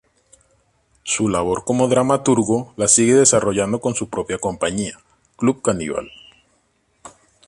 Su labor como dramaturgo la sigue desarrollando con su propia compañía, Club Caníbal.